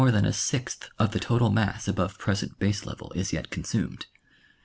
23 than a sixth of the total mass above present base level is yet con sumed.